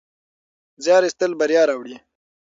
زیار ایستل بریا راوړي.